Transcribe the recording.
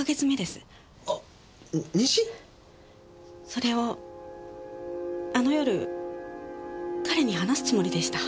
それをあの夜彼に話すつもりでした。